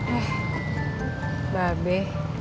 eh mbak be